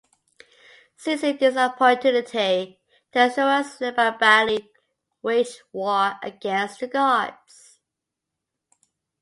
Seizing this opportunity, the asuras led by Bali waged war against the gods.